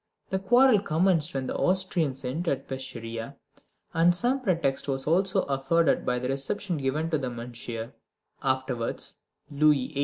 The quarrel commenced when the Austrians entered Peschiera, and some pretext was also afforded by the reception given to Monsieur, afterwards Louis XVIII.